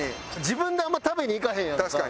自分であんまり食べに行かへんやんか。